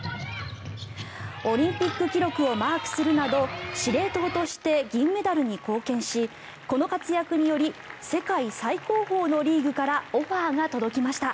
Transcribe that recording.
オリンピック記録をマークするなど司令塔として銀メダルに貢献しこの活躍により世界最高峰のリーグからオファーが届きました。